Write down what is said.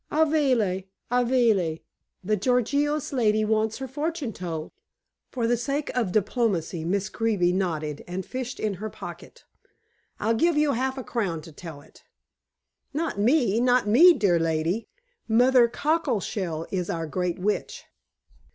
"Avali! Avali! The Gorgios lady wants her fortune told." For the sake of diplomacy Miss Greeby nodded and fished in her pocket. "I'll give you half a crown to tell it." "Not me not me, dear lady. Mother Cockleshell is our great witch."